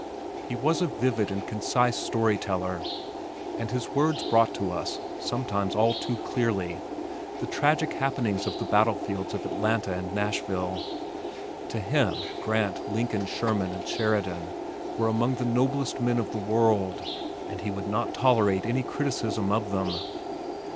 He was a vivid and concise story teller and his words brought to us (sometimes all too clearly), the tragic happenings of the battlefields of Atlanta and Nashville. To him Grant, Lincoln, Sherman and Sheridan were among the noblest men of the world, and he would not tolerate any criticism of them.